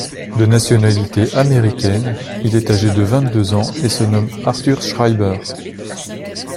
De nationalité américaine, il est âgé de vingt-deux ans et se nomme Arthur Schreiber.